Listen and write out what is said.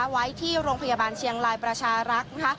ไว้ที่โรงพยาบาลเชียงรายประชารักษ์นะคะ